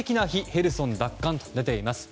ヘルソン奪還と出ています。